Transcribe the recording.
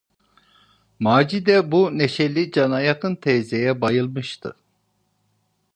Macide bu neşeli, cana yakın teyzeye bayılmıştı.